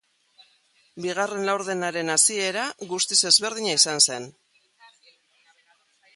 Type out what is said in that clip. Bigarren laurdenaren hasiera guztiz ezberdina izan zen.